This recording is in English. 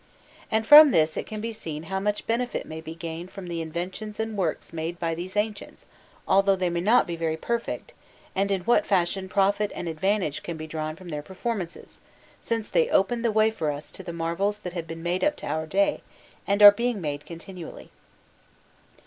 And from this it can be seen how much benefit may be gained from the inventions and works made by these ancients, although they may not be very perfect, and in what fashion profit and advantage can be drawn from their performances, since they opened the way for us to the marvels that have been made up to our day and are being made continually.